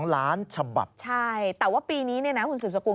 ล้านฉบับใช่แต่ว่าปีนี้เนี่ยนะคุณสืบสกุล